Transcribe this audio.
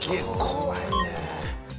怖いね。